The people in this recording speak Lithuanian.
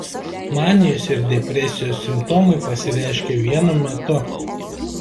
Manijos ir depresijos simptomai pasireiškia vienu metu.